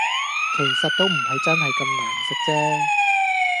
其實都唔係真係咁難食啫